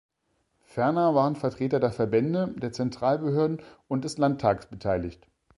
Ferner waren Vertreter der Verbände, der Zentralbehörden und des Landtages beteiligt.